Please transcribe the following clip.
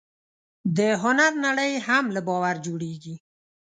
د هنر نړۍ هم له باور جوړېږي.